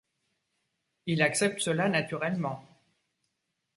Il accepte cela naturellement.